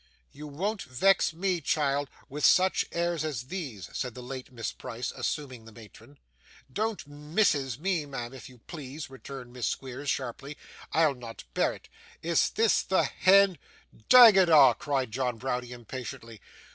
'You won't vex me, child, with such airs as these,' said the late Miss Price, assuming the matron. 'Don't MISSIS me, ma'am, if you please,' returned Miss Squeers, sharply. 'I'll not bear it. Is THIS the hend ' 'Dang it a',' cried John Browdie, impatiently.